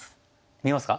見えますか？